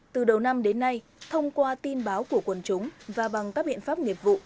từ đầu năm đến nay thông qua tin báo của quần chúng và bằng các biện pháp nghiệp vụ